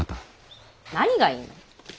何がいいの。